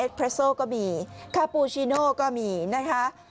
เครสโซก็มีคาปูชิโน่ก็มีนะคะ